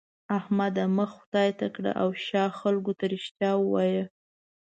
احمده! مخ خدای ته کړه او شا خلګو ته؛ رښتيا ووايه.